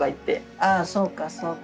あそうかそうか。